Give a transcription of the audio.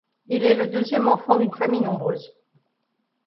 Il est le deuxième enfant d'une famille nombreuse.